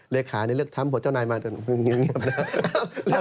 เลขาเลยเลือกทำผู้าเจ้านายมาแล้วเงียบน่ะ